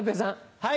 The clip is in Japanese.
はい。